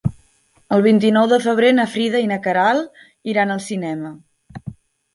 El vint-i-nou de febrer na Frida i na Queralt iran al cinema.